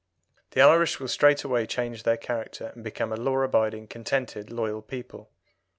The Irish will straightway change their character, and become a law abiding, contented, loyal people.